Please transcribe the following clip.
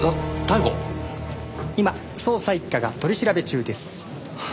今捜査一課が取り調べ中です。